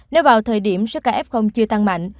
nếu vào thời điểm số ca f chưa tăng mạnh